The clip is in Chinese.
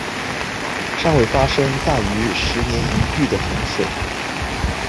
尚未发生大于十年一遇的洪水。